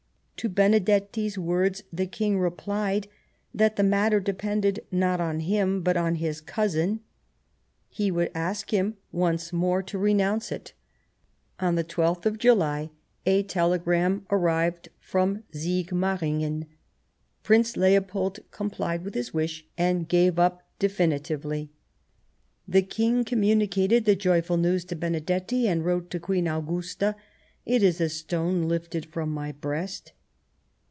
To Benedetti's words the King replied that the matter depended not on him, but on his cousin ; he would ask him once more 12^ Bismarck to renounce it. On the 12th of July a telegram arrived from Sigmaringen : Prince Leopold complied with his wish, and gave up definitively. The King communicated the joyful news to Benedetti, and wrote to Queen Augusta :" It is a stone lifted from my breast."